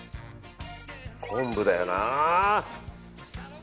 昆布だよな。